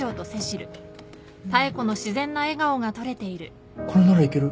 これならいける。